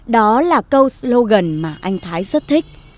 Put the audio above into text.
đó là câu slogan mà anh thái rất thích